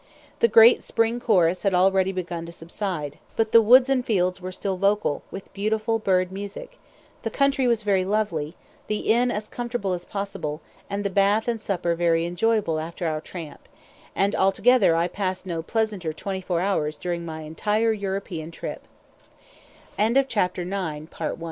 The great spring chorus had already begun to subside, but the woods and fields were still vocal with beautiful bird music, the country was very lovely, the inn as comfortable as possible, and the bath and supper very enjoyable after our tramp; and altogether I passed no pleasanter twenty four hours during my entire European trip.